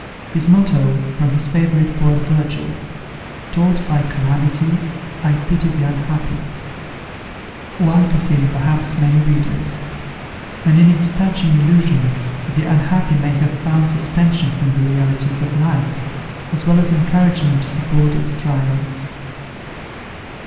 His motto, from his favourite poet Virgil, "Taught by calamity, I pity the unhappy," won for him, perhaps many readers. And in its touching illusions, the unhappy may have found suspension from the realities of life, as well as encouragement to support its trials.